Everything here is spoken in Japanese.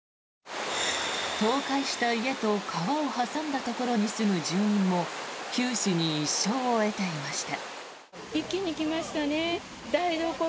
倒壊した家と川を挟んだところに住む住民も九死に一生を得ていました。